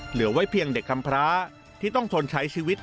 เหลือไว้เพียงเด็กคำพระที่ต้องทนใช้ชีวิต